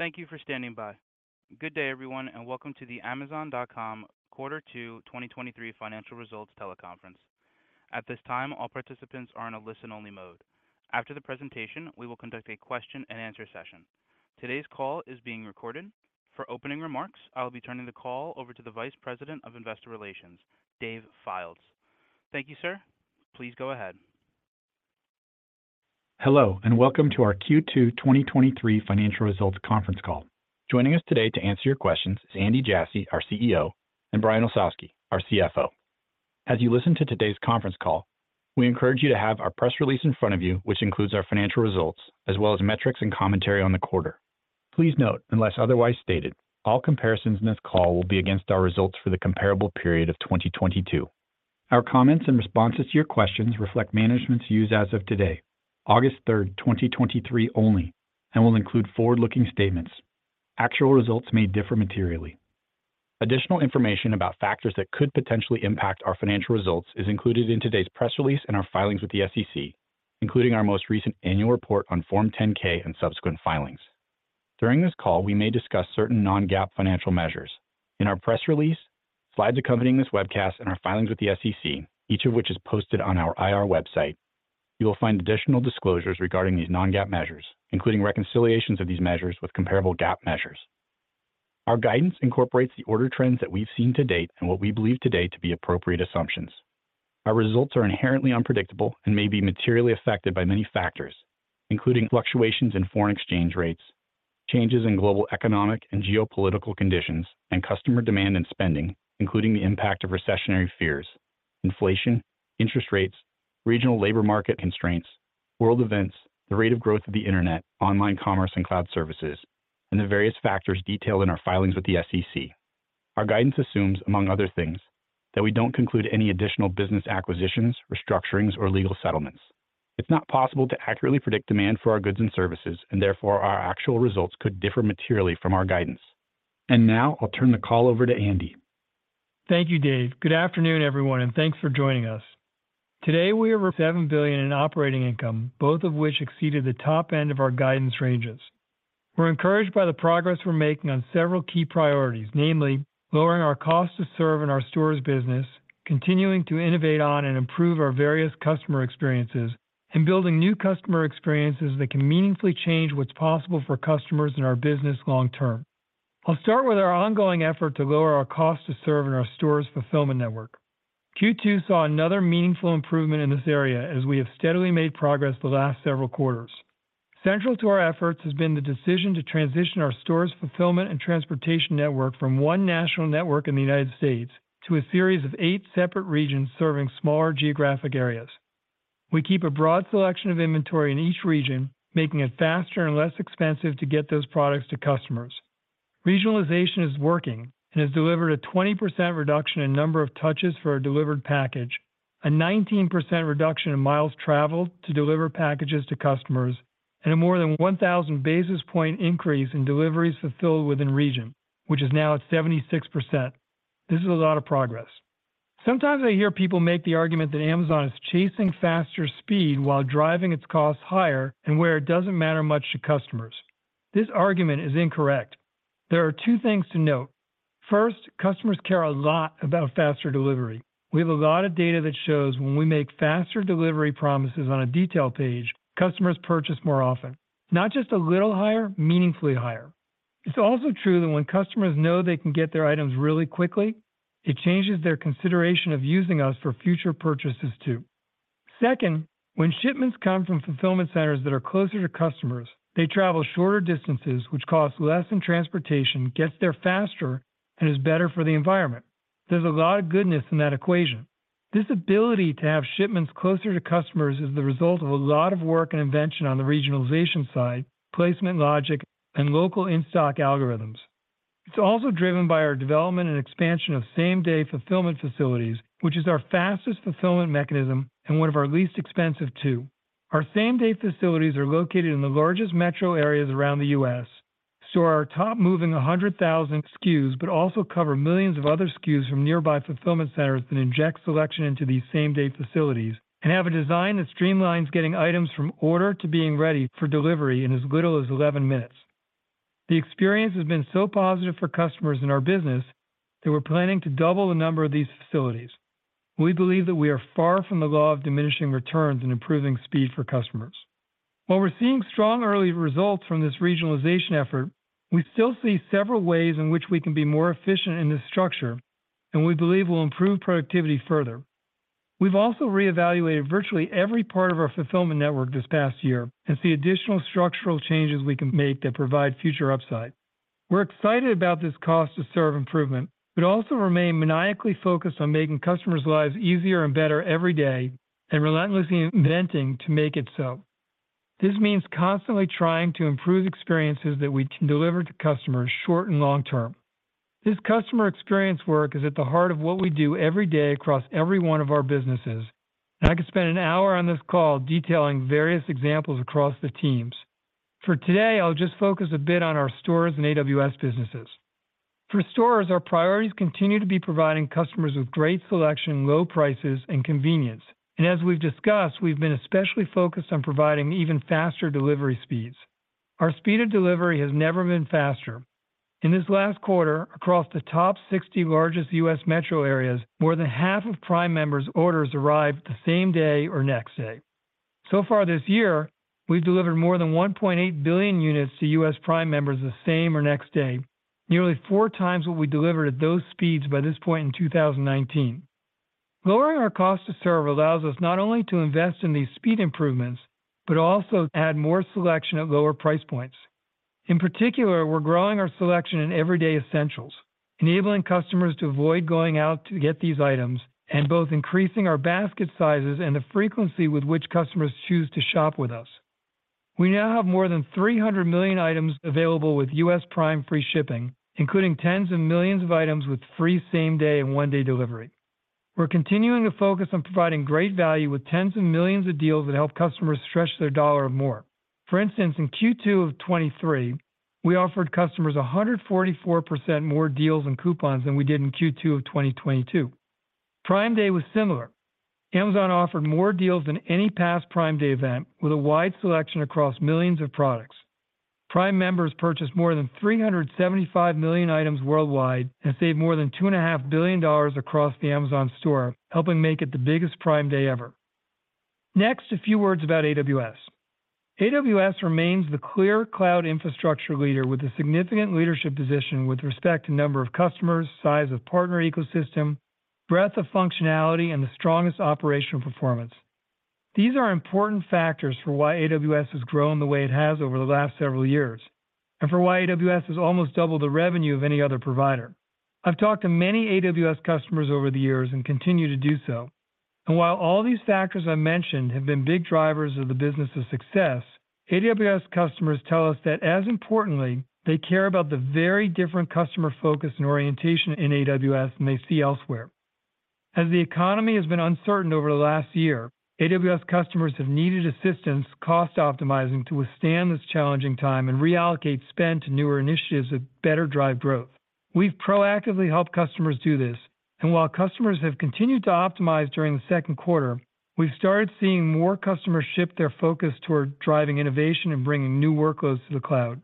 Thank you for standing by. Good day, everyone, and welcome to the Amazon.com Quarter Two 2023 Financial Results Teleconference. At this time, all participants are in a listen-only mode. After the presentation, we will conduct a question-and-answer session. Today's call is being recorded. For opening remarks, I will be turning the call over to the Vice President of Investor Relations, Dave Fildes. Thank you, sir. Please go ahead. Hello, welcome to our Q2 2023 Financial Results conference call. Joining us today to answer your questions is Andy Jassy, our CEO, and Brian Olsavsky, our CFO. As you listen to today's conference call, we encourage you to have our press release in front of you, which includes our financial results, as well as metrics and commentary on the quarter. Please note, unless otherwise stated, all comparisons in this call will be against our results for the comparable period of 2022. Our comments and responses to your questions reflect management's views as of today, August 3, 2023, only and will include forward-looking statements. Actual results may differ materially. Additional information about factors that could potentially impact our financial results is included in today's press release and our filings with the SEC, including our most recent annual report on Form 10-K and subsequent filings. During this call, we may discuss certain non-GAAP financial measures. In our press release, slides accompanying this webcast, and our filings with the SEC, each of which is posted on our IR website, you will find additional disclosures regarding these non-GAAP measures, including reconciliations of these measures with comparable GAAP measures. Our guidance incorporates the order trends that we've seen to date and what we believe today to be appropriate assumptions. Our results are inherently unpredictable and may be materially affected by many factors, including fluctuations in foreign exchange rates, changes in global economic and geopolitical conditions, and customer demand and spending, including the impact of recessionary fears, inflation, interest rates, regional labor market constraints, world events, the rate of growth of the internet, online commerce and cloud services, and the various factors detailed in our filings with the SEC. Our guidance assumes, among other things, that we don't conclude any additional business acquisitions, restructurings, or legal settlements. It's not possible to accurately predict demand for our goods and services, and therefore, our actual results could differ materially from our guidance. Now, I'll turn the call over to Andy. Thank you, Dave. Good afternoon, everyone, and thanks for joining us. Today, we are over $7 billion in operating income, both of which exceeded the top end of our guidance ranges. We're encouraged by the progress we're making on several key priorities, namely, lowering our cost to serve in our Stores business, continuing to innovate on and improve our various customer experiences, and building new customer experiences that can meaningfully change what's possible for customers in our business long term. I'll start with our ongoing effort to lower our cost to serve in our Stores fulfillment network. Q2 saw another meaningful improvement in this area as we have steadily made progress for the last several quarters. Central to our efforts has been the decision to transition our Stores fulfillment and transportation network from one national network in the United States to a series of eight separate regions serving smaller geographic areas. We keep a broad selection of inventory in each region, making it faster and less expensive to get those products to customers. Regionalization is working and has delivered a 20% reduction in number of touches for a delivered package, a 19% reduction in miles traveled to deliver packages to customers, and a more than 1,000 basis point increase in deliveries fulfilled within region, which is now at 76%. This is a lot of progress. Sometimes I hear people make the argument that Amazon is chasing faster speed while driving its costs higher and where it doesn't matter much to customers. This argument is incorrect. There are two things to note. First, customers care a lot about faster delivery. We have a lot of data that shows when we make faster delivery promises on a detail page, customers purchase more often. Not just a little higher, meaningfully higher. It is also true that when customers know they can get their items really quickly, it changes their consideration of using us for future purchases, too. Second, when shipments come from fulfillment centers that are closer to customers, they travel shorter distances, which costs less in transportation, gets there faster, and is better for the environment. There is a lot of goodness in that equation. This ability to have shipments closer to customers is the result of a lot of work and invention on the regionalization side, placement logic, and local in-stock algorithms. It's also driven by our development and expansion of same-day fulfillment facilities, which is our fastest fulfillment mechanism and one of our least expensive, too. Our same-day facilities are located in the largest metro areas around the U.S. Our top-moving 100,000 SKUs, but also cover millions of other SKUs from nearby fulfillment centers that inject selection into these same-day facilities and have a design that streamlines getting items from order to being ready for delivery in as little as 11 minutes. The experience has been so positive for customers in our business that we're planning to double the number of these facilities. We believe that we are far from the law of diminishing returns in improving speed for customers. While we're seeing strong early results from this regionalization effort, we still see several ways in which we can be more efficient in this structure and we believe will improve productivity further. We've also reevaluated virtually every part of our fulfillment network this past year and see additional structural changes we can make that provide future upside. We're excited about this cost to serve improvement, but also remain maniacally focused on making customers' lives easier and better every day and relentlessly inventing to make it so. This means constantly trying to improve experiences that we can deliver to customers short and long term. This customer experience work is at the heart of what we do every day across every one of our businesses, and I could spend an hour on this call detailing various examples across the teams. For today, I'll just focus a bit on our Stores and AWS businesses. For Stores, our priorities continue to be providing customers with great selection, low prices, and convenience. As we've discussed, we've been especially focused on providing even faster delivery speeds. Our speed of delivery has never been faster. In this last quarter, across the top 60 largest U.S. metro areas, more than half of Prime members' orders arrived the same day or next day. Far this year, we've delivered more than 1.8 billion units to U.S. Prime members the same or next day, nearly four times what we delivered at those speeds by this point in 2019. Lowering our cost to serve allows us not only to invest in these speed improvements, but also add more selection at lower price points. In particular, we're growing our selection in everyday essentials, enabling customers to avoid going out to get these items and both increasing our basket sizes and the frequency with which customers choose to shop with us. We now have more than 300 million items available with U.S. Prime free shipping, including tens of millions of items with free same-day and one-day delivery. We're continuing to focus on providing great value with tens of millions of deals that help customers stretch their dollar more. For instance, in Q2 of 2023, we offered customers 144% more deals and coupons than we did in Q2 of 2022. Prime Day was similar. Amazon offered more deals than any past Prime Day event, with a wide selection across millions of products. Prime members purchased more than 375 million items worldwide and saved more than $2.5 billion across the Amazon Stores, helping make it the biggest Prime Day ever. Next, a few words about AWS. AWS remains the clear cloud infrastructure leader with a significant leadership position with respect to number of customers, size of partner ecosystem, breadth of functionality, and the strongest operational performance. These are important factors for why AWS has grown the way it has over the last several years, and for why AWS has almost doubled the revenue of any other provider. I've talked to many AWS customers over the years and continue to do so, and while all these factors I mentioned have been big drivers of the business's success, AWS customers tell us that, as importantly, they care about the very different customer focus and orientation in AWS than they see elsewhere. As the economy has been uncertain over the last year, AWS customers have needed assistance cost-optimizing to withstand this challenging time and reallocate spend to newer initiatives that better drive growth. We've proactively helped customers do this, and while customers have continued to optimize during the second quarter, we've started seeing more customers shift their focus toward driving innovation and bringing new workloads to the cloud.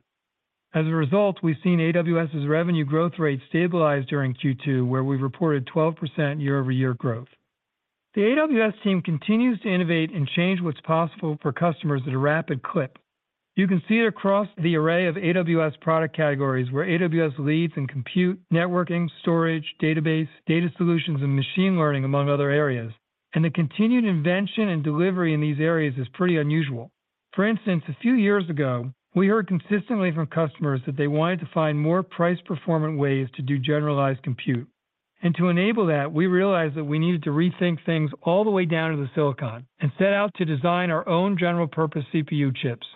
As a result, we've seen AWS's revenue growth rate stabilize during Q2, where we've reported 12% year-over-year growth. The AWS team continues to innovate and change what's possible for customers at a rapid clip. You can see it across the array of AWS product categories, where AWS leads in compute, networking, storage, database, data solutions, and machine learning, among other areas. The continued invention and delivery in these areas is pretty unusual. For instance, a few years ago, we heard consistently from customers that they wanted to find more price-performant ways to do generalized compute. To enable that, we realized that we needed to rethink things all the way down to the silicon and set out to design our own general-purpose CPU chips.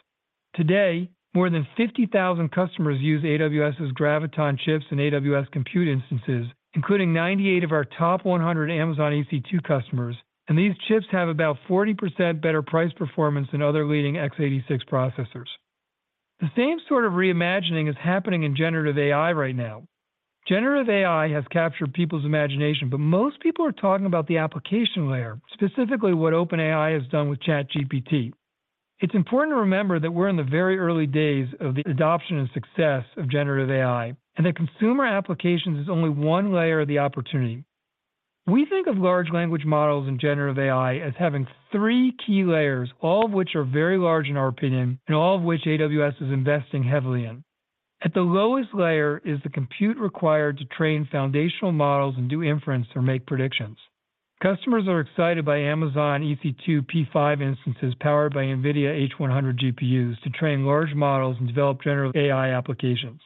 Today, more than 50,000 customers use AWS's Graviton chips and AWS Compute instances, including 98 of our top 100 Amazon EC2 customers, and these chips have about 40% better price performance than other leading x86 processors. The same sort of reimagining is happening in generative AI right now. Generative AI has captured people's imagination, most people are talking about the application layer, specifically what OpenAI has done with ChatGPT. It's important to remember that we're in the very early days of the adoption and success of generative AI, and that consumer applications is only one layer of the opportunity. We think of large language models and generative AI as having three key layers, all of which are very large in our opinion, and all of which AWS is investing heavily in. At the lowest layer is the compute required to train foundational models and do inference or make predictions. Customers are excited by Amazon EC2 P5 instances, powered by NVIDIA H100 GPUs, to train large models and develop general AI applications.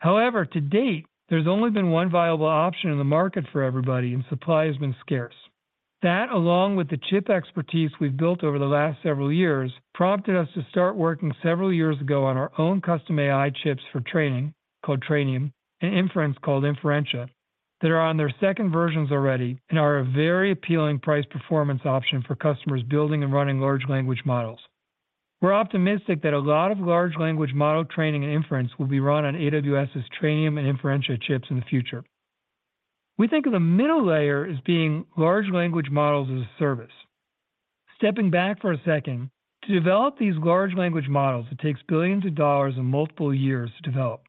However, to date, there's only been one viable option in the market for everybody, and supply has been scarce. That, along with the chip expertise we've built over the last several years, prompted us to start working several years ago on our own custom AI chips for training, called Trainium, and inference, called Inferentia, that are on their second versions already and are a very appealing price-performance option for customers building and running large language models. We're optimistic that a lot of large language model training and inference will be run on AWS's Trainium and Inferentia chips in the future. We think of the middle layer as being large language models as a service. Stepping back for a second, to develop these large language models, it takes billions of dollars and multiple years to develop.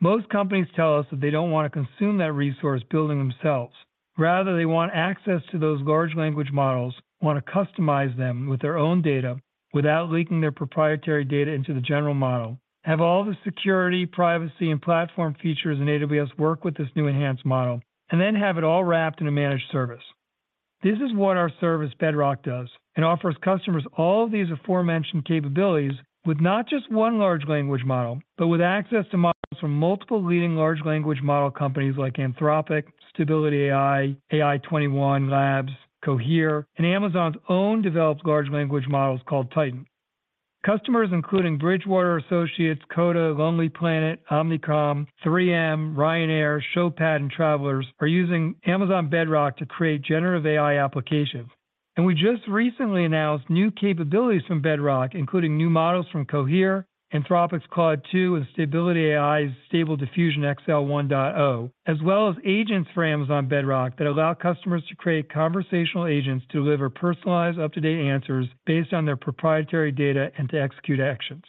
Most companies tell us that they don't want to consume that resource building themselves. Rather, they want access to those large language models, want to customize them with their own data without leaking their proprietary data into the general model, have all the security, privacy, and platform features in AWS work with this new enhanced model, and then have it all wrapped in a managed service. This is what our service, Bedrock, does. It offers customers all these aforementioned capabilities with not just one large language model, but with access to models from multiple leading large language model companies like Anthropic, Stability AI, AI21 Labs, Cohere, and Amazon's own developed large language models called Titan. Customers, including Bridgewater Associates, Coda, Lonely Planet, Omnicom, 3M, Ryanair, Showpad, and Travelers, are using Amazon Bedrock to create generative AI applications. We just recently announced new capabilities from Bedrock, including new models from Cohere, Anthropic's Claude 2, and Stability AI's Stable Diffusion XL 1.0, as well as agents for Amazon Bedrock that allow customers to create conversational agents to deliver personalized, up-to-date answers based on their proprietary data and to execute actions.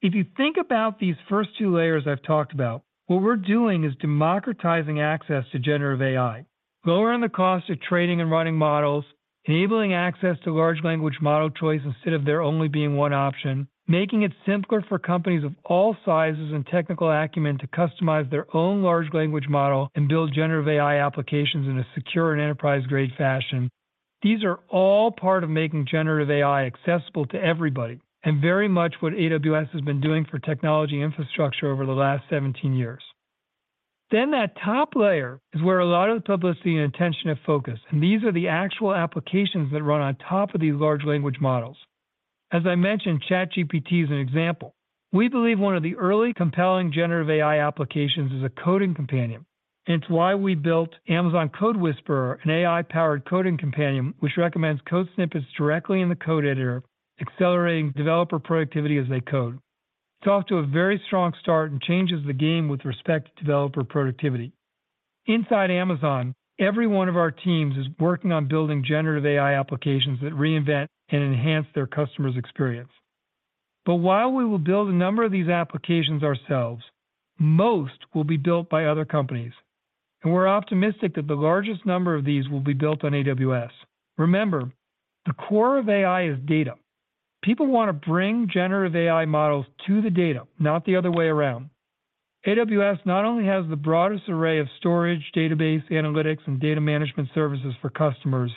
If you think about these first two layers I've talked about, what we're doing is democratizing access to generative AI, lowering the cost of training and running models, enabling access to large language model choice instead of there only being one option, making it simpler for companies of all sizes and technical acumen to customize their own large language model and build generative AI applications in a secure and enterprise-grade fashion. These are all part of making generative AI accessible to everybody, and very much what AWS has been doing for technology infrastructure over the last 17 years. That top layer is where a lot of the publicity and attention have focused, and these are the actual applications that run on top of these large language models. As I mentioned, ChatGPT is an example. We believe one of the early compelling generative AI applications is a coding companion, and it's why we built Amazon CodeWhisperer, an AI-powered coding companion, which recommends code snippets directly in the code editor, accelerating developer productivity as they code. It's off to a very strong start and changes the game with respect to developer productivity. Inside Amazon, every one of our teams is working on building generative AI applications that reinvent and enhance their customer's experience. While we will build a number of these applications ourselves, most will be built by other companies, and we're optimistic that the largest number of these will be built on AWS. Remember, the core of AI is data. People want to bring generative AI models to the data, not the other way around. AWS not only has the broadest array of storage, database, analytics, and data management services for customers,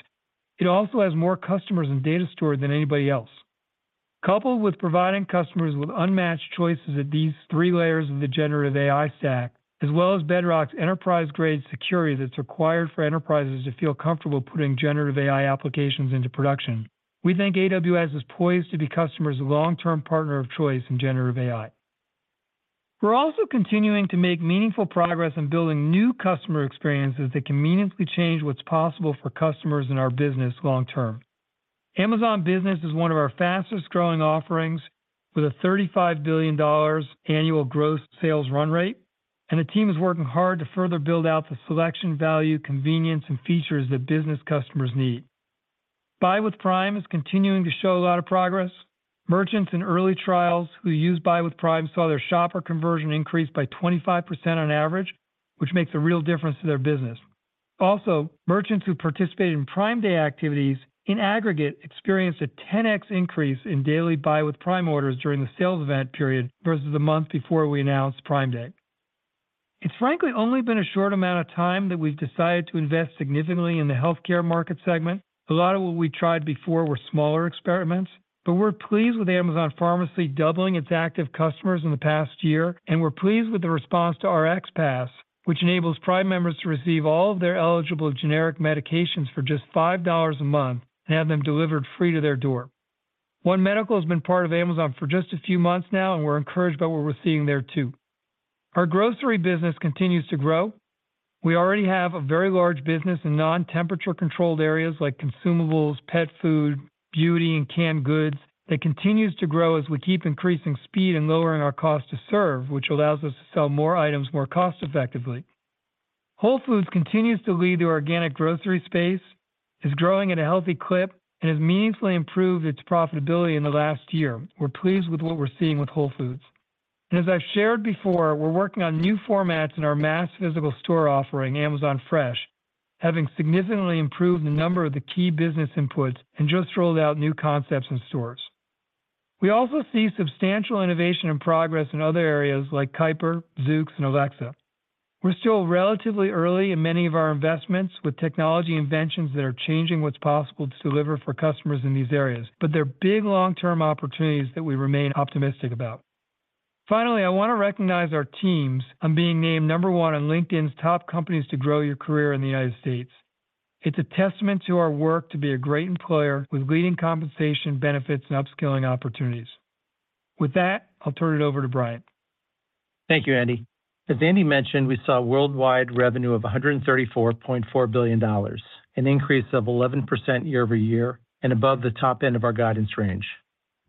it also has more customers and data stored than anybody else. Coupled with providing customers with unmatched choices at these three layers of the generative AI stack, as well as Bedrock's enterprise-grade security that's required for enterprises to feel comfortable putting generative AI applications into production, we think AWS is poised to be customers' long-term partner of choice in generative AI. We're also continuing to make meaningful progress in building new customer experiences that can meaningfully change what's possible for customers in our business long term. Amazon Business is one of our fastest-growing offerings with a $35 billion annual gross sales run rate, and the team is working hard to further build out the selection, value, convenience, and features that business customers need. Buy with Prime is continuing to show a lot of progress. Merchants in early trials who used Buy with Prime saw their shopper conversion increase by 25% on average, which makes a real difference to their business. Also, merchants who participated in Prime Day activities, in aggregate, experienced a 10x increase in daily Buy with Prime orders during the sales event period versus the month before we announced Prime Day. It's frankly only been a short amount of time that we've decided to invest significantly in the healthcare market segment. A lot of what we tried before were smaller experiments. We're pleased with Amazon Pharmacy doubling its active customers in the past year, and we're pleased with the response to RxPass, which enables Prime members to receive all of their eligible generic medications for just $5 a month and have them delivered free to their door. One Medical has been part of Amazon for just a few months now, and we're encouraged by what we're seeing there, too. Our grocery business continues to grow. We already have a very large business in non-temperature controlled areas like consumables, pet food, beauty, and canned goods that continues to grow as we keep increasing speed and lowering our cost to serve, which allows us to sell more items more cost-effectively. Whole Foods continues to lead the organic grocery space, is growing at a healthy clip, and has meaningfully improved its profitability in the last year. We're pleased with what we're seeing with Whole Foods. As I've shared before, we're working on new formats in our mass physical store offering, Amazon Fresh, having significantly improved a number of the key business inputs and just rolled out new concepts and stores. We also see substantial innovation and progress in other areas like Project Kuiper, Zoox, and Alexa. We're still relatively early in many of our investments with technology inventions that are changing what's possible to deliver for customers in these areas, but they're big, long-term opportunities that we remain optimistic about. Finally, I want to recognize our teams on being named one on LinkedIn's top companies to grow your career in the United States. It's a testament to our work to be a great employer with leading compensation, benefits, and upskilling opportunities. With that, I'll turn it over to Brian. Thank you, Andy. As Andy mentioned, we saw worldwide revenue of $134.4 billion, an increase of 11% year-over-year and above the top end of our guidance range.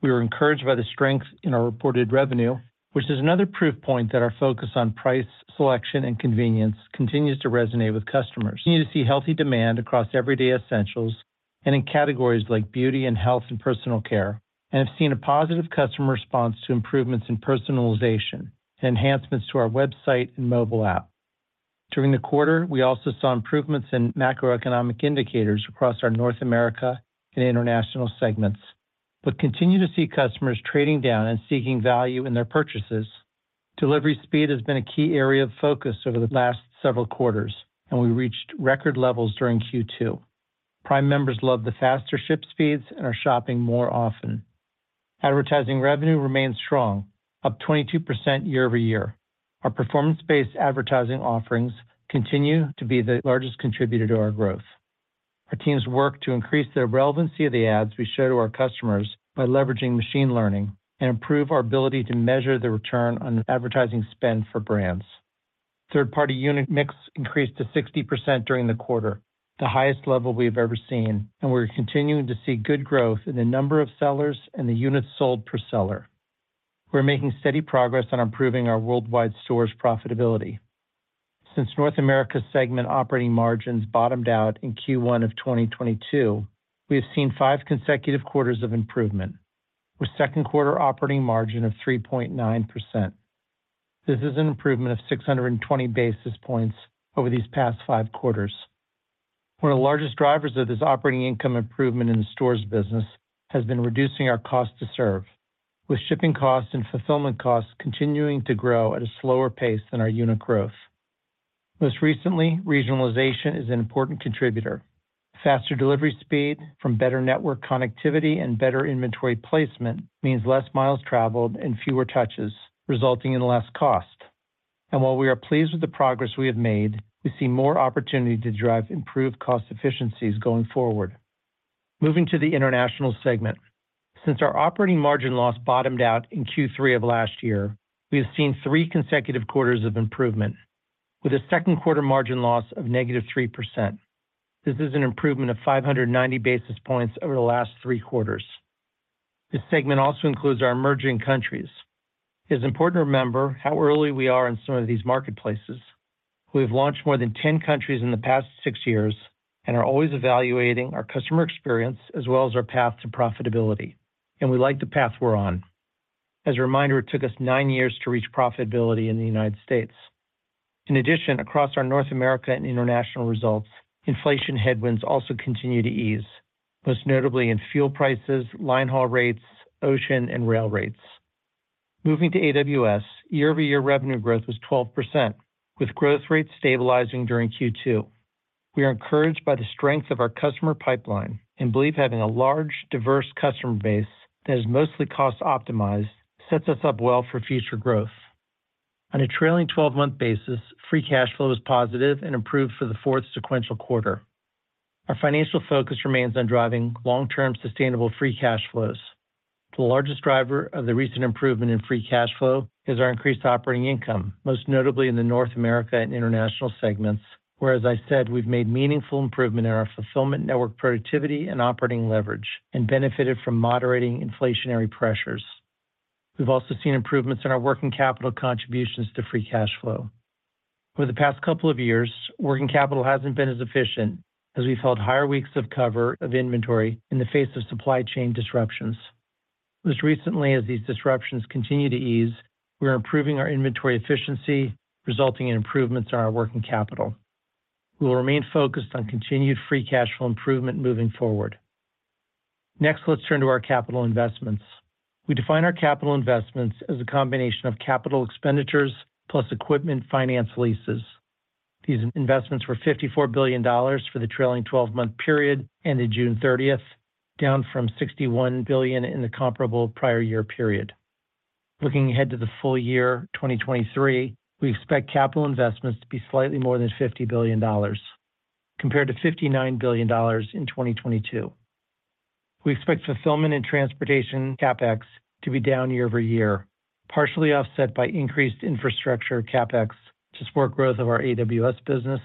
We were encouraged by the strength in our reported revenue, which is another proof point that our focus on price, selection, and convenience continues to resonate with customers. We continue to see healthy demand across everyday essentials and in categories like beauty and health and personal care, and have seen a positive customer response to improvements in personalization and enhancements to our website and mobile app. During the quarter, we also saw improvements in macroeconomic indicators across our North America and international segments, but continue to see customers trading down and seeking value in their purchases. Delivery speed has been a key area of focus over the last several quarters, and we reached record levels during Q2. Prime members love the faster ship speeds and are shopping more often. Advertising revenue remains strong, up 22% year-over-year. Our performance-based advertising offerings continue to be the largest contributor to our growth. Our teams work to increase the relevancy of the ads we show to our customers by leveraging machine learning and improve our ability to measure the return on advertising spend for brands.... Third-party unit mix increased to 60% during the quarter, the highest level we've ever seen, and we're continuing to see good growth in the number of sellers and the units sold per seller. We're making steady progress on improving our worldwide stores profitability. Since North America segment operating margins bottomed out in Q1 of 2022, we have seen five consecutive quarters of improvement, with second quarter operating margin of 3.9%. This is an improvement of 620 basis points over these past five quarters. One of the largest drivers of this operating income improvement in the stores business has been reducing our cost to serve, with shipping costs and fulfillment costs continuing to grow at a slower pace than our unit growth. Most recently, regionalization is an important contributor. Faster delivery speed from better network connectivity and better inventory placement means less miles traveled and fewer touches, resulting in less cost. While we are pleased with the progress we have made, we see more opportunity to drive improved cost efficiencies going forward. Moving to the international segment. Since our operating margin loss bottomed out in Q3 of last year, we have seen three consecutive quarters of improvement, with a second quarter margin loss of -3%. This is an improvement of 590 basis points over the last three quarters. This segment also includes our emerging countries. It's important to remember how early we are in some of these marketplaces. We've launched more than 10 countries in the past six years and are always evaluating our customer experience as well as our path to profitability, and we like the path we're on. As a reminder, it took us nine years to reach profitability in the United States. In addition, across our North America and international results, inflation headwinds also continue to ease, most notably in fuel prices, linehaul rates, ocean and rail rates. Moving to AWS, year-over-year revenue growth was 12%, with growth rates stabilizing during Q2. We are encouraged by the strength of our customer pipeline and believe having a large, diverse customer base that is mostly cost-optimized, sets us up well for future growth. On a trailing-12-month basis, free cash flow is positive and improved for the fourth sequential quarter. Our financial focus remains on driving long-term, sustainable free cash flows. The largest driver of the recent improvement in free cash flow is our increased operating income, most notably in the North America and international segments, where, as I said, we've made meaningful improvement in our fulfillment, network productivity, and operating leverage, and benefited from moderating inflationary pressures. We've also seen improvements in our working capital contributions to free cash flow. Over the past couple of years, working capital hasn't been as efficient as we've held higher weeks of cover of inventory in the face of supply chain disruptions. Most recently, as these disruptions continue to ease, we are improving our inventory efficiency, resulting in improvements in our working capital. We will remain focused on continued free cash flow improvement moving forward. Let's turn to our capital investments. We define our capital investments as a combination of capital expenditures plus equipment finance leases. These investments were $54 billion for the trailing-12-month period, ended June 30th, down from $61 billion in the comparable prior year period. Looking ahead to the full year, 2023, we expect capital investments to be slightly more than $50 billion, compared to $59 billion in 2022. We expect fulfillment and transportation CapEx to be down year-over-year, partially offset by increased infrastructure CapEx to support growth of our AWS business,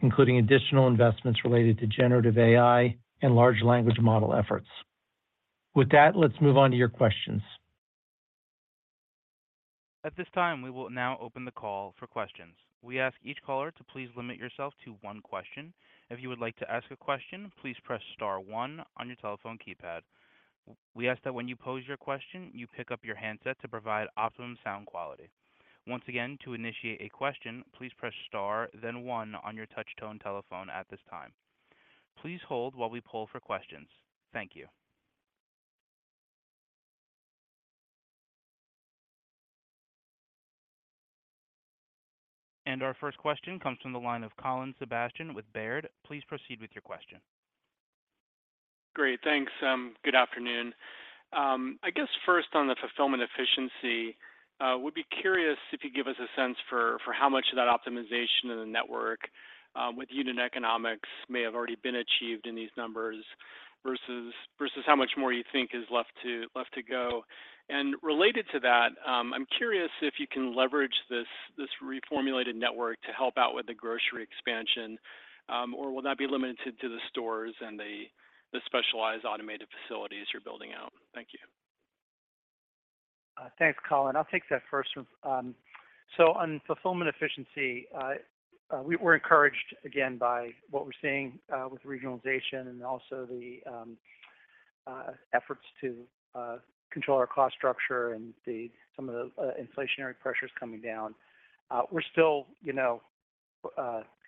including additional investments related to generative AI and large language model efforts. With that, let's move on to your questions. At this time, we will now open the call for questions. We ask each caller to please limit yourself to one question. If you would like to ask a question, please press star one on your telephone keypad. We ask that when you pose your question, you pick up your handset to provide optimum sound quality. Once again, to initiate a question, please press star, then one on your touch tone telephone at this time. Please hold while we poll for questions. Thank you. Our first question comes from the line of Colin Sebastian with Baird. Please proceed with your question. Great. Thanks. Good afternoon. I guess first on the fulfillment efficiency, would be curious if you give us a sense for, for how much of that optimization in the network, with unit economics may have already been achieved in these numbers, versus, versus how much more you think is left to, left to go? Related to that, I'm curious if you can leverage this, this reformulated network to help out with the grocery expansion, or will that be limited to the stores and the, the specialized automated facilities you're building out? Thank you. Thanks, Colin. I'll take that first one. So on fulfillment efficiency, we're encouraged again by what we're seeing with regionalization and also the efforts to control our cost structure and the some of the inflationary pressures coming down. We're still, you know,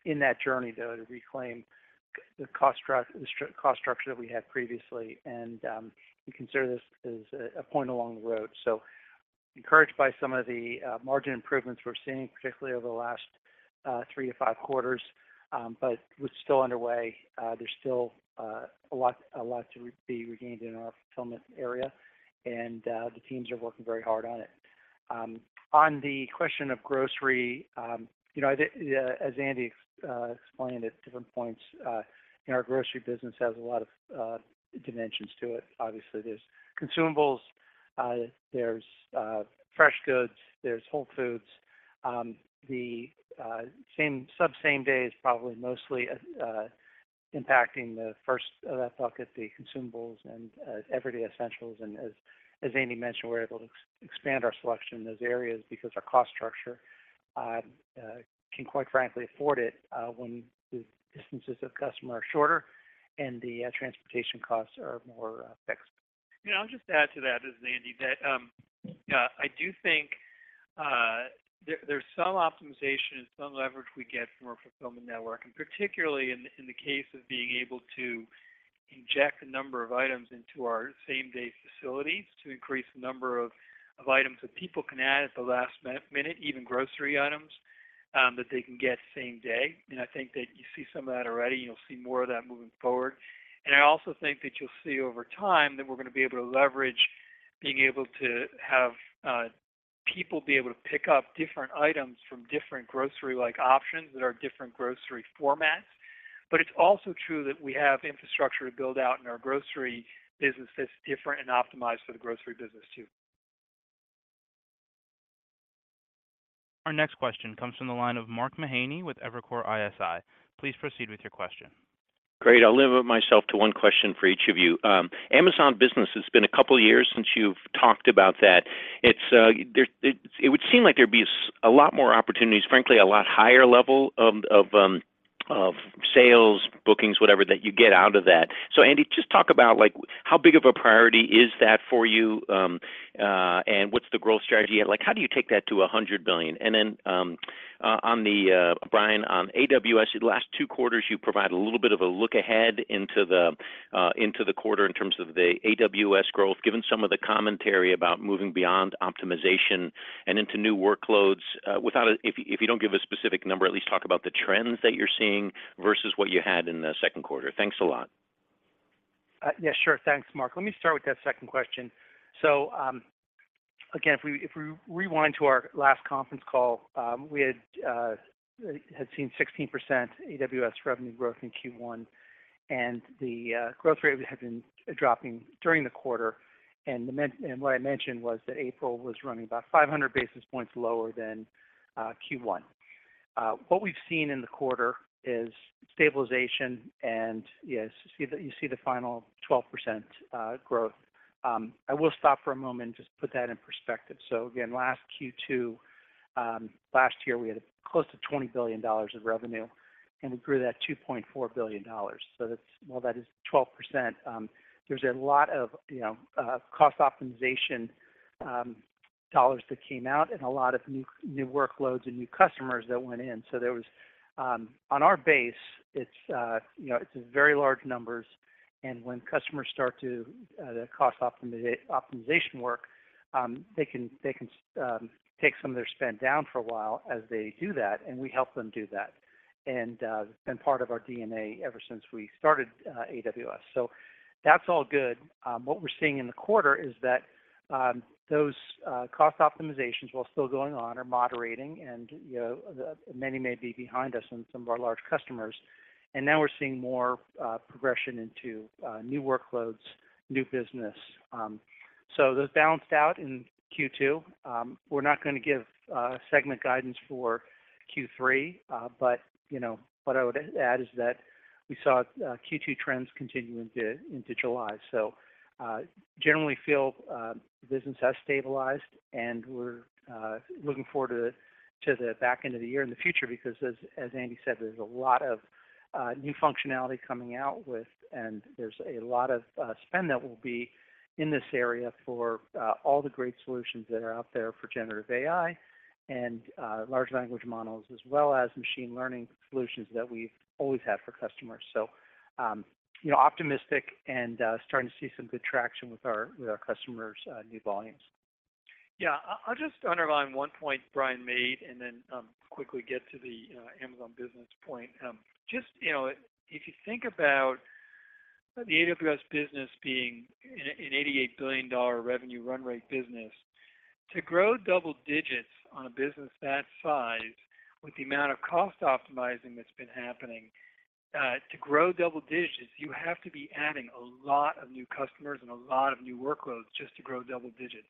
in that journey, though, to reclaim the cost structure that we had previously, and we consider this as a point along the road. So encouraged by some of the margin improvements we're seeing, particularly over the last three to five quarters, but with still underway, there's still a lot, a lot to be regained in our fulfillment area, and the teams are working very hard on it. On the question of grocery, you know, the, as Andy explained at different points, our grocery business has a lot of dimensions to it. Obviously, there's consumables-... There's fresh goods, there's Whole Foods. The same, sub same day is probably mostly impacting the first bucket, the consumables and everyday essentials. As Andy mentioned, we're able to expand our selection in those areas because our cost structure can quite frankly afford it when the distances of customer are shorter and the transportation costs are more fixed. Yeah, I'll just add to that, as Andy did. Yeah, I do think there, there's some optimization and some leverage we get from our fulfillment network, and particularly in, in the case of being able to inject a number of items into our same-day facilities to increase the number of, of items that people can add at the last minute, even grocery items, that they can get same day. I think that you see some of that already, and you'll see more of that moving forward. I also think that you'll see over time that we're gonna be able to leverage being able to have, people be able to pick up different items from different grocery-like options that are different grocery formats. It's also true that we have infrastructure to build out in our grocery business that's different and optimized for the grocery business too. Our next question comes from the line of Mark Mahaney with Evercore ISI. Please proceed with your question. Great. I'll limit myself to one question for each of you. Amazon Business, it's been a couple of years since you've talked about that. It's, there- it, it would seem like there'd be a lot more opportunities, frankly, a lot higher level of sales, bookings, whatever, that you get out of that. Andy, just talk about, like, how big of a priority is that for you? What's the growth strategy? Like, how do you take that to $100 billion? On the, Brian, on AWS, the last two quarters, you provided a little bit of a look ahead into the into the quarter in terms of the AWS growth. Given some of the commentary about moving beyond optimization and into new workloads, without if, if you don't give a specific number, at least talk about the trends that you're seeing versus what you had in the second quarter. Thanks a lot. Yeah, sure. Thanks, Mark. Let me start with that second question. Again, if we, if we rewind to our last conference call, we had had seen 16% AWS revenue growth in Q1, and the growth rate had been dropping during the quarter. And the men- and what I mentioned was that April was running about 500 basis points lower than Q1. What we've seen in the quarter is stabilization, and yes, you see the, you see the final 12% growth. I will stop for a moment and just put that in perspective. Again, last Q2, last year, we had close to $20 billion of revenue, and we grew that $2.4 billion. That's... Well, that is 12%. There's a lot of cost optimization dollars that came out and a lot of new, new workloads and new customers that went in. There was on our base, it's very large numbers, and when customers start to the cost optimization work, they can, they can take some of their spend down for a while as they do that, and we help them do that. It's been part of our DNA ever since we started AWS. That's all good. What we're seeing in the quarter is that those cost optimizations, while still going on, are moderating, and many may be behind us in some of our large customers. We're seeing more progression into new workloads, new business. Those balanced out in Q2. We're not gonna give segment guidance for Q3, but, you know, what I would add is that we saw Q2 trends continue into, into July. Generally feel business has stabilized, and we're looking forward to the back end of the year in the future because as Andy said, there's a lot of new functionality coming out with, and there's a lot of spend that will be in this area for all the great solutions that are out there for generative AI and large language models, as well as machine learning solutions that we've always had for customers. You know, optimistic and starting to see some good traction with our, with our customers' new volumes. Yeah, I, I'll just underline one point Brian made and then quickly get to the Amazon Business point. Just, you know, if you think about the AWS business being an $88 billion revenue run rate business, to grow double digits on a business that size, with the amount of cost optimizing that's been happening, to grow double digits, you have to be adding a lot of new customers and a lot of new workloads just to grow double digits.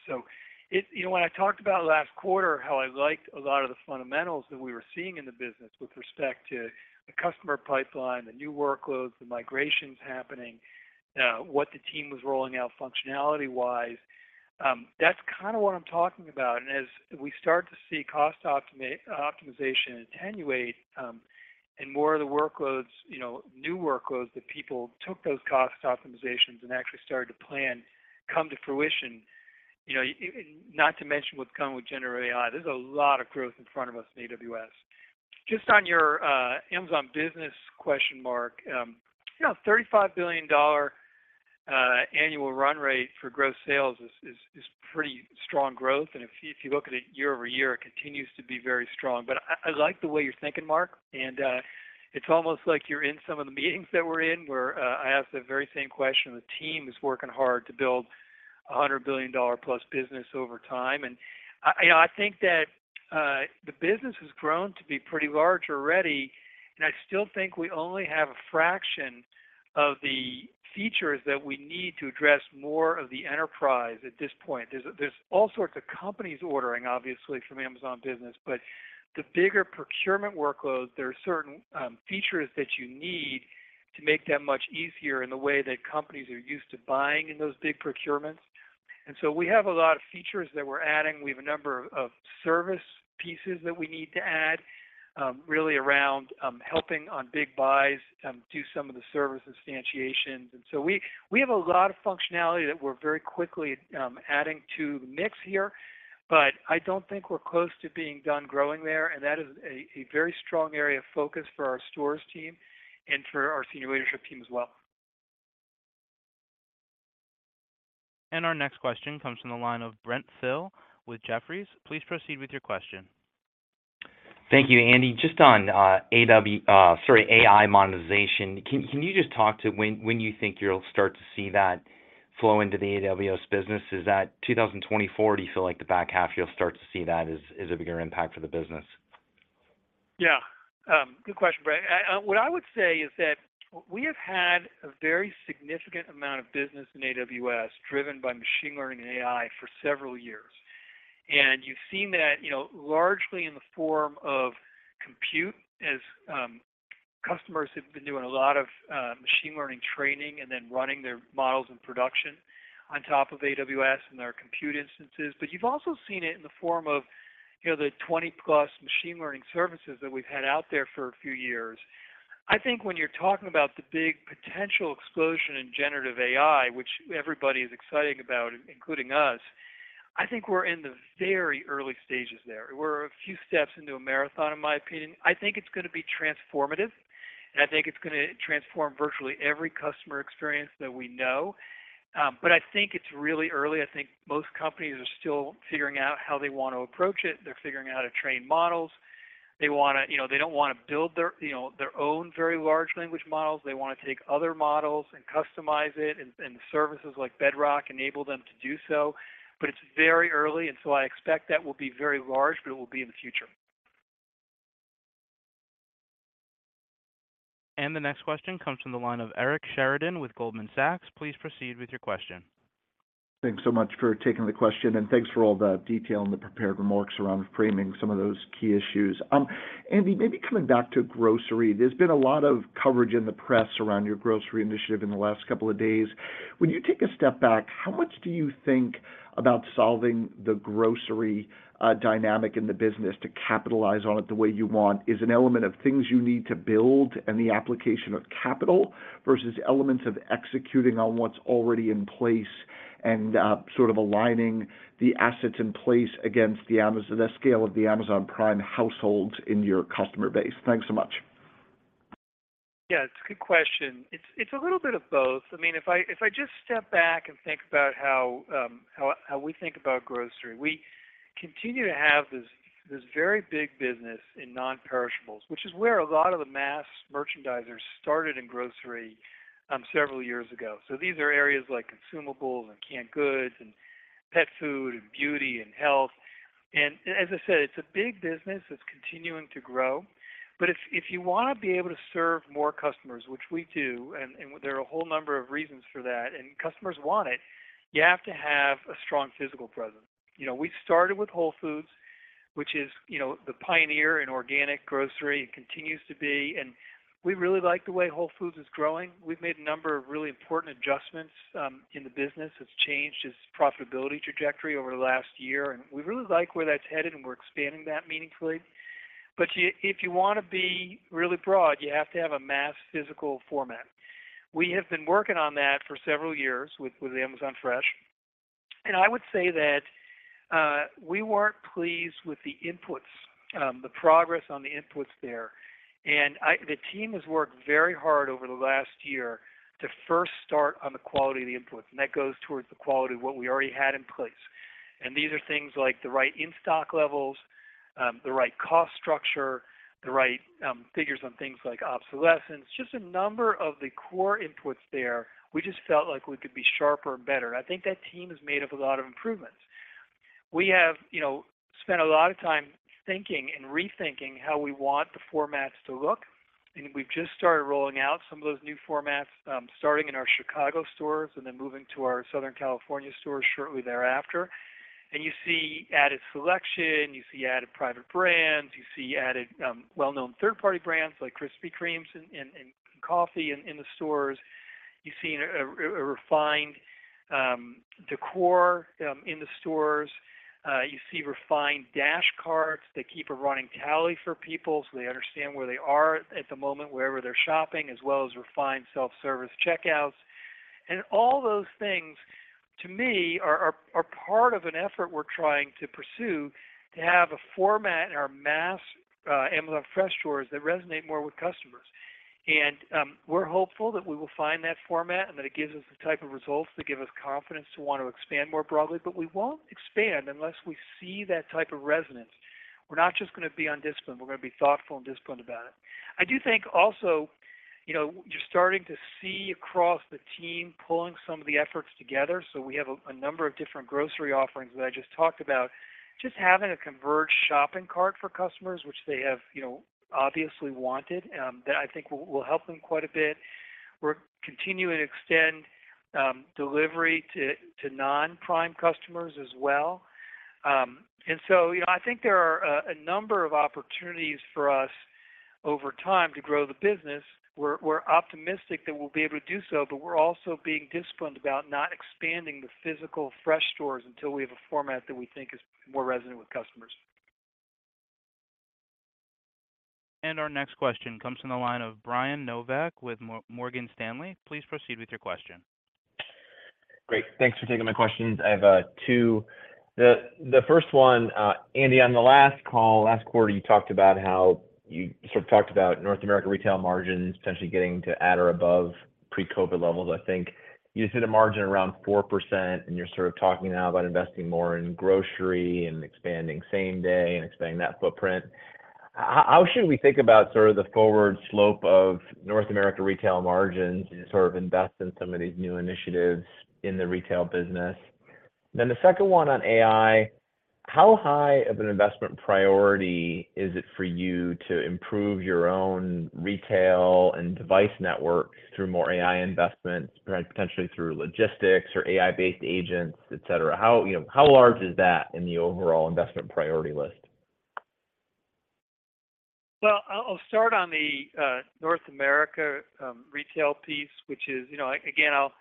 It... You know, when I talked about last quarter, how I liked a lot of the fundamentals that we were seeing in the business with respect to the customer pipeline, the new workloads, the migrations happening, what the team was rolling out functionality-wise, that's kinda what I'm talking about. As we start to see cost optimization attenuate, and more of the workloads, you know, new workloads, that people took those cost optimizations and actually started to plan come to fruition, you know, not to mention what's coming with general AI, there's a lot of growth in front of us in AWS. Just on your Amazon Business question, Mark, you know, $35 billion annual run rate for gross sales is, is, is pretty strong growth, and if you, if you look at it year-over-year, it continues to be very strong. I, I like the way you're thinking, Mark, and it's almost like you're in some of the meetings that we're in, where I ask the very same question. The team is working hard to build a $100 billion plus business over time. You know, I think that the business has grown to be pretty large already, and I still think we only have a fraction of the features that we need to address more of the enterprise at this point. There's, there's all sorts of companies ordering, obviously, from Amazon Business, but the bigger procurement workloads, there are certain features that you need to make that much easier in the way that companies are used to buying in those big procurements. So we have a lot of features that we're adding. We have a number of service pieces that we need to add, really around helping on big buys, do some of the service instantiations. we, we have a lot of functionality that we're very quickly adding to the mix here, but I don't think we're close to being done growing there, and that is a, a very strong area of focus for our stores team and for our senior leadership team as well. Our next question comes from the line of Brent Thill with Jefferies. Please proceed with your question. Thank you, Andy. Just on, AI monetization, can, can you just talk to when, when you think you'll start to see that flow into the AWS business? Is that 2024? Do you feel like the back half, you'll start to see that as, as a bigger impact for the business? Yeah. Good question, Brent. What I would say is that we have had a very significant amount of business in AWS driven by machine learning and AI for several years. You've seen that, you know, largely in the form of compute, as, customers have been doing a lot of, machine learning training and then running their models in production on top of AWS and our compute instances. You've also seen it in the form of, you know, the 20+ machine learning services that we've had out there for a few years. I think when you're talking about the big potential explosion in generative AI, which everybody is excited about, including us, I think we're in the very early stages there. We're a few steps into a marathon, in my opinion. I think it's gonna be transformative, and I think it's gonna transform virtually every customer experience that we know. I think it's really early. I think most companies are still figuring out how they want to approach it. They're figuring out how to train models. They wanna, you know, they don't wanna build their, you know, their own very large language models. They wanna take other models and customize it, and, and services like Bedrock enable them to do so. It's very early, and so I expect that will be very large, but it will be in the future. The next question comes from the line of Eric Sheridan with Goldman Sachs. Please proceed with your question. Thanks so much for taking the question, and thanks for all the detail and the prepared remarks around framing some of those key issues. Andy, maybe coming back to grocery, there's been a lot of coverage in the press around your grocery initiative in the last couple of days. When you take a step back, how much do you think about solving the grocery dynamic in the business to capitalize on it the way you want, is an element of things you need to build and the application of capital versus elements of executing on what's already in place and sort of aligning the assets in place against the Amazon, the scale of the Amazon Prime households in your customer base? Thanks so much. Yeah, it's a good question. It's, it's a little bit of both. I mean, if I, if I just step back and think about how, how, how we think about grocery, we continue to have this, this very big business in non-perishables, which is where a lot of the mass merchandisers started in grocery, several years ago. These are areas like consumables and canned goods and pet food and beauty and health. As I said, it's a big business, it's continuing to grow. If, if you wanna be able to serve more customers, which we do, and, and there are a whole number of reasons for that, and customers want it, you have to have a strong physical presence. You know, we started with Whole Foods, which is, you know, the pioneer in organic grocery, continues to be, and we really like the way Whole Foods is growing. We've made a number of really important adjustments in the business. It's changed its profitability trajectory over the last year, and we really like where that's headed, and we're expanding that meaningfully. If you wanna be really broad, you have to have a mass physical format. We have been working on that for several years with, with Amazon Fresh, I would say that we weren't pleased with the inputs, the progress on the inputs there. The team has worked very hard over the last year to first start on the quality of the inputs, and that goes towards the quality of what we already had in place. These are things like the right in-stock levels, the right cost structure, the right figures on things like obsolescence, just a number of the core inputs there. We just felt like we could be sharper and better. I think that team has made up a lot of improvements. We have, you know, spent a lot of time thinking and rethinking how we want the formats to look, and we've just started rolling out some of those new formats, starting in our Chicago stores and then moving to our Southern California stores shortly thereafter. You see added selection, you see added private brands, you see added well-known third-party brands like Krispy Kreme's and coffee in the stores. You see a refined decor in the stores. You see refined Dash Carts that keep a running tally for people so they understand where they are at the moment, wherever they're shopping, as well as refined self-service checkouts. All those things, to me, are, are, are part of an effort we're trying to pursue to have a format in our mass Amazon Fresh stores that resonate more with customers. We're hopeful that we will find that format and that it gives us the type of results that give us confidence to want to expand more broadly. We won't expand unless we see that type of resonance. We're not just gonna be on discipline, we're gonna be thoughtful and disciplined about it. I do think also, you know, you're starting to see across the team pulling some of the efforts together. We have a number of different grocery offerings that I just talked about. Just having a converged shopping cart for customers, which they have, you know, obviously wanted, that I think will help them quite a bit. We're continuing to extend delivery to non-Prime customers as well. You know, I think there are a number of opportunities for us over time to grow the business, we're optimistic that we'll be able to do so, but we're also being disciplined about not expanding the physical fresh stores until we have a format that we think is more resonant with customers. Our next question comes from the line of Brian Nowak with Morgan Stanley. Please proceed with your question. Great. Thanks for taking my questions. I have two. The first one, Andy, on the last call, last quarter, you talked about how- you sort of talked about North America retail margins essentially getting to at or above pre-COVID levels. I think you said a margin around 4%, and you're sort of talking now about investing more in grocery and expanding same-day and expanding that footprint. How should we think about sort of the forward slope of North America retail margins and sort of invest in some of these new initiatives in the retail business? The second one on AI, how high of an investment priority is it for you to improve your own retail and device networks through more AI investments, right, potentially through logistics or AI-based agents, et cetera? How, you know, how large is that in the overall investment priority list? Well, I'll, I'll start on the North America retail piece, which is you know, again, I'll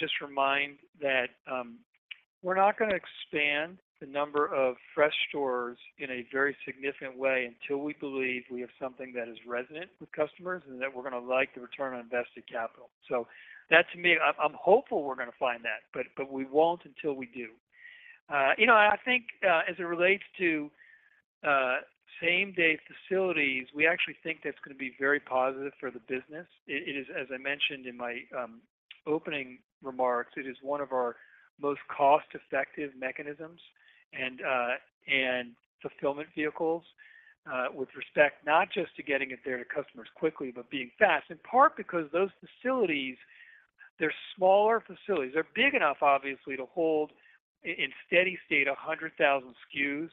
just remind that we're not gonna expand the number of Fresh stores in a very significant way until we believe we have something that is resonant with customers and that we're gonna like the return on invested capital. That to me, I'm, I'm hopeful we're gonna find that, but, but we won't until we do. You know, I think as it relates to same-day facilities, we actually think that's gonna be very positive for the business. It is, as I mentioned in my opening remarks, it is one of our most cost-effective mechanisms and fulfillment vehicles with respect not just to getting it there to customers quickly, but being fast, in part because those facilities, they're smaller facilities. They're big enough, obviously, to hold in steady state, 100,000 SKUs,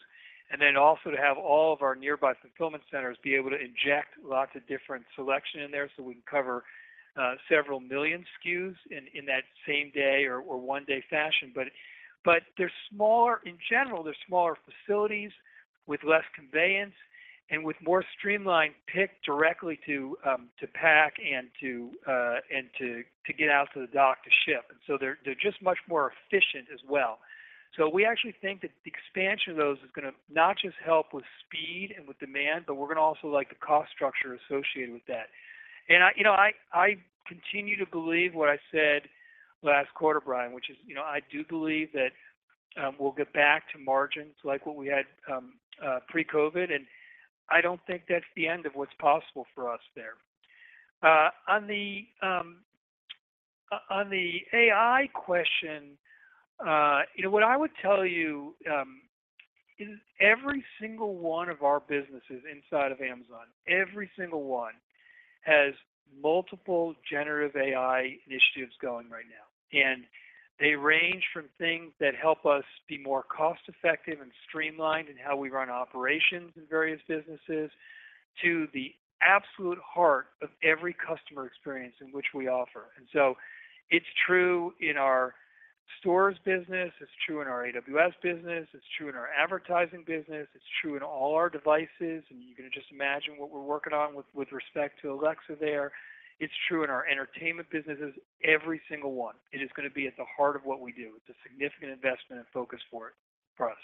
and then also to have all of our nearby fulfillment centers be able to inject lots of different selection in there, so we can cover several million SKUs in, in that same-day or, or one-day fashion. They're smaller. In general, they're smaller facilities with less conveyance and with more streamlined pick directly to pack and to, and to, to get out to the dock to ship. They're just much more efficient as well. We actually think that the expansion of those is gonna not just help with speed and with demand, but we're gonna also like the cost structure associated with that. I, you know, I, I continue to believe what I said last quarter, Brian, which is, you know, I do believe that we'll get back to margins like what we had pre-COVID, and I don't think that's the end of what's possible for us there. On the on the AI question, you know, what I would tell you is every single one of our businesses inside of Amazon, every single one, has multiple generative AI initiatives going right now. They range from things that help us be more cost effective and streamlined in how we run operations in various businesses, to the absolute heart of every customer experience in which we offer. So it's true in our stores business, it's true in our AWS business, it's true in our advertising business, it's true in all our devices, and you can just imagine what we're working on with, with respect to Alexa there. It's true in our entertainment businesses, every single one. It is gonna be at the heart of what we do. It's a significant investment and focus for, for us.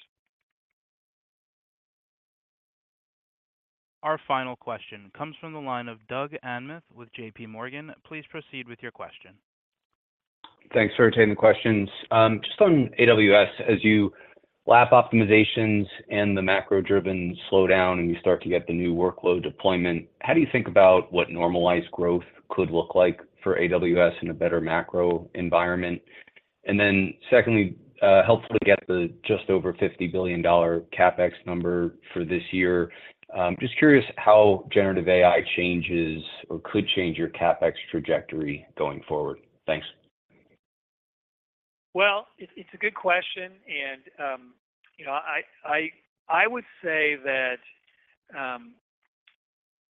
Our final question comes from the line of Doug Anmuth with JPMorgan. Please proceed with your question. Thanks for taking the questions. Just on AWS, as you lap optimizations and the macro-driven slowdown, and you start to get the new workload deployment, how do you think about what normalized growth could look like for AWS in a better macro environment? Secondly, helpful to get the just over $50 billion CapEx number for this year. Just curious how generative AI changes or could change your CapEx trajectory going forward. Thanks. Well, it, it's a good question, you know, I would say that,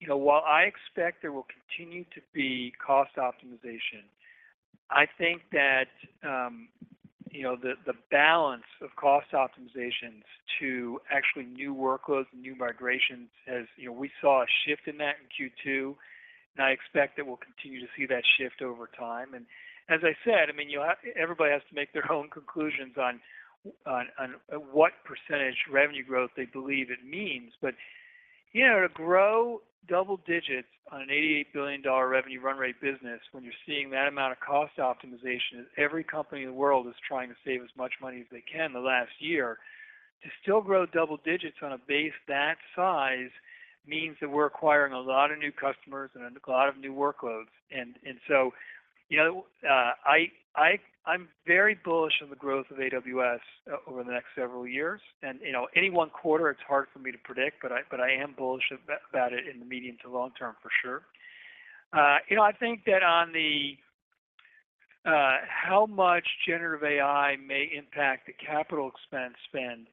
you know, while I expect there will continue to be cost optimization, I think that, you know, the, the balance of cost optimizations to actually new workloads and new migrations has... You know, we saw a shift in that in Q2, I expect that we'll continue to see that shift over time. As I said, I mean, everybody has to make their own conclusions on, on, on, what % revenue growth they believe it means. You know, to grow double digits on an $88 billion revenue run rate business, when you're seeing that amount of cost optimization, and every company in the world is trying to save as much money as they can in the last year, to still grow double digits on a base that size, means that we're acquiring a lot of new customers and a lot of new workloads. And so, you know, I'm very bullish on the growth of AWS over the next several years. You know, any one quarter, it's hard for me to predict, but I am bullish about it in the medium to long term, for sure. You know, I think that on the how much generative AI may impact the capital expense spend,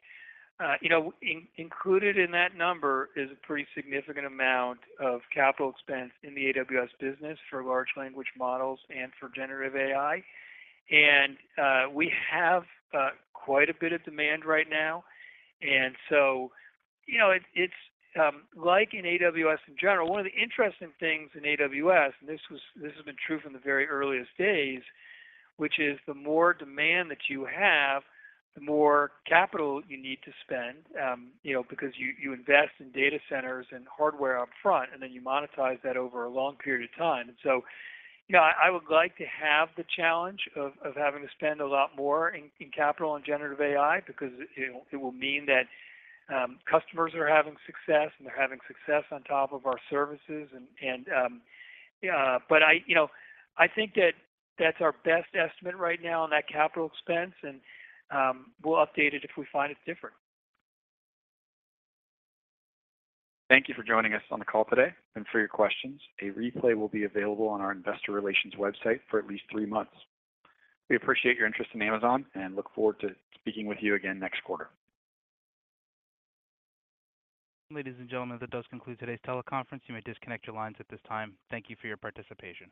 you know, included in that number is a pretty significant amount of capital expense in the AWS business for large language models and for generative AI. We have quite a bit of demand right now, and so, you know, it's, it's like in AWS in general, one of the interesting things in AWS, and this has been true from the very earliest days, which is the more demand that you have, the more capital you need to spend, you know, because you, you invest in data centers and hardware up front, and then you monetize that over a long period of time. You know, I would like to have the challenge of, of having to spend a lot more in, in capital and generative AI, because it, it will mean that customers are having success, and they're having success on top of our services. But I, you know, I think that that's our best estimate right now on that capital expense, and we'll update it if we find it's different. Thank you for joining us on the call today and for your questions. A replay will be available on our investor relations website for at least three months. We appreciate your interest in Amazon and look forward to speaking with you again next quarter. Ladies and gentlemen, that does conclude today's teleconference. You may disconnect your lines at this time. Thank you for your participation.